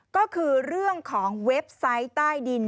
ก็คือเรื่องของเว็บไซต์ใต้ดิน